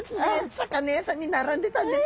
魚屋さんに並んでたんです。